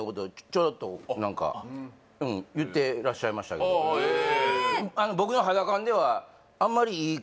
ちょろっと何か言ってらっしゃいましたけどああええ